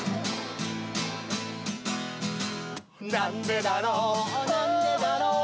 「なんでだろうなんでだろう」